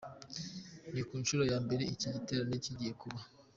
Ni ku nshuro ya mbere iki giterane kigiye kuba.